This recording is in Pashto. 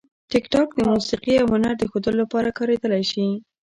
ټیکټاک د موسیقي او هنر د ښودلو لپاره کارېدلی شي.